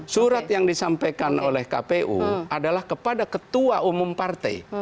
surat yang disampaikan oleh kpu adalah kepada ketua umum partai